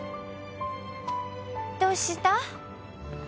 どうした？